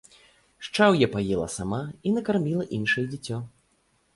Шчаўе паела сама і накарміла іншае дзіцё.